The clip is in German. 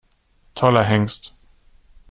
Toller Hengst!